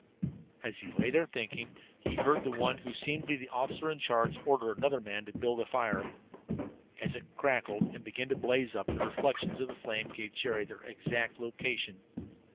As he lay there thinking, he heard the one who seemed to be the officer in charge order another man to build a fire. As it crackled and began to blaze up, the reflection of the flame gave Jerry their exact location.